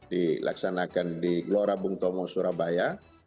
dilaksanakan di glorabung tomo surabaya